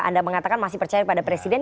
anda mengatakan masih percaya pada presiden